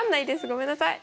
ごめんなさい。